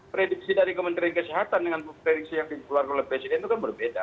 prediksi dari kementerian kesehatan dengan prediksi yang dikeluarkan oleh presiden itu kan berbeda